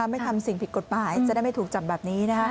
ไม่ทำสิ่งผิดกฎหมายจะได้ไม่ถูกจับแบบนี้